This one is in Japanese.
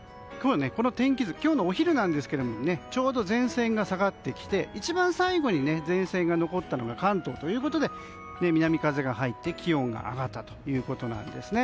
今日のお昼なんですけどちょうど前線が下がってきて一番最後に前線が残ったのが関東ということで南風が入って気温が上がったということです。